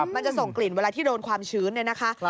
มันจะส่งกลิ่นเวลาที่โดนความชื้นเนี่ยนะคะ